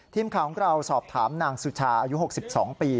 ทีมข่าวของเราสอบถามนางสุชาอายุ๖๒ปี